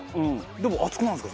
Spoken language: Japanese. でも熱くなるんですか？